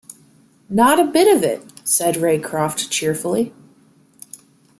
"Not a bit of it," said Raycroft cheerfully.